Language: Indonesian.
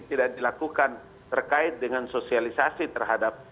tidak dilakukan terkait dengan sosialisasi terhadap